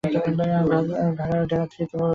Dagger three প্রতিহত করছি।